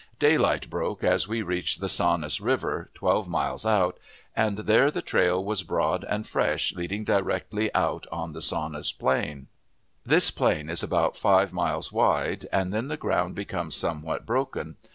Daylight broke as we reached the Saunas River, twelve miles out, and there the trail was broad and fresh leading directly out on the Saunas Plain. This plain is about five miles wide, and then the ground becomes somewhat broken.